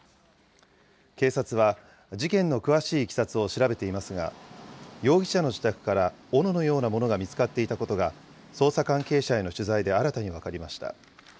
警察は、事件の詳しいいきさつを調べていますが、容疑者の自宅からおののようなものが見つかっていたことが、捜査関係者への取材で新たに分かりました。